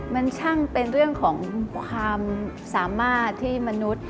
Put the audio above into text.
มันช่างเป็นเรื่องของความสามารถที่มนุษย์